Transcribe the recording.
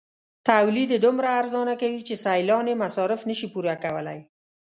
تولید یې دومره ارزانه کوي چې سیالان یې مصارف نشي پوره کولای.